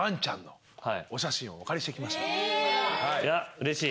うれしい。